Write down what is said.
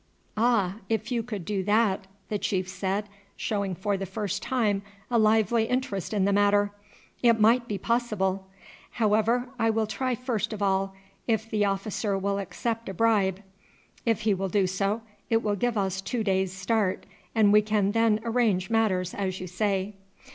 "Ah! if you could do that!" the chief said, showing for the first time a lively interest in the matter, "it might be possible. However, I will try first of all if the officer will accept a bribe. If he will do so it will give us two days' start, and we can then arrange matters as you say."